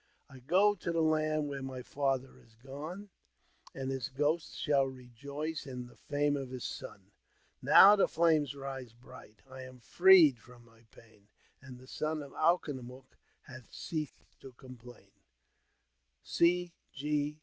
I go to the land where my father has gone, And his ghost shall rejoice in the fame of his son ; Now the flame rises bright, I am freed from my pain, And the son of Alknoomook hath ceased to complain," C. G.